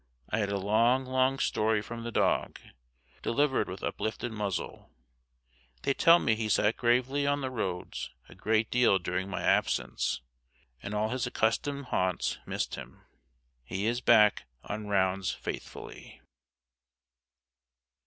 I had a long long story from the dog, delivered with uplifted muzzle. They tell me he sat gravely on the roads a great deal during my absence, and all his accustomed haunts missed him. He is back on rounds faithfully.